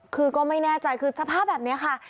คือก็ไม่แน่ใจคือสภาพแบบนี้ค่ะ